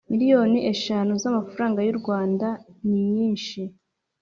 miliyoni eshanu z amafaranga y u Rwandaninyinshi